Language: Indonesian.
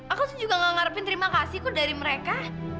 aku tuh juga nggak ngarepin terima kasihku dari mereka